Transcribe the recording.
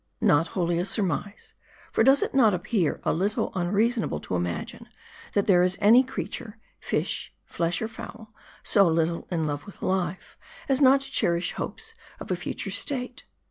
Not wholly a surmise. For, does it not appear a little unreasonable to imagine, that there is any creature, fish, flesh, or fowl, so little in love with life, as not to cherish hopes of a future state